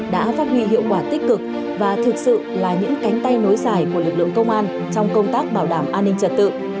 đã phát huy hiệu quả tích cực và thực sự là những cánh tay nối dài của lực lượng công an trong công tác bảo đảm an ninh trật tự